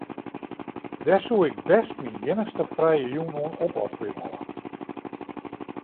Dêr soe ik bêst myn iennichste frije jûn oan opofferje wolle.